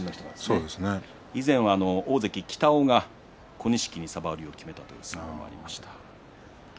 以前は、大関北尾が小錦に、さば折りをきめたという相撲がありました。